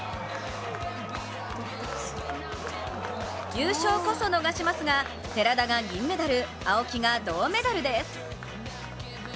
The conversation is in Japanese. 優勝こそ逃しますが寺田が銀メダル、青木が銅メダルです。